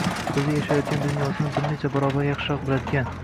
– o‘zi yashayotgan dunyosini bir necha barobar yaxshiroq biladigan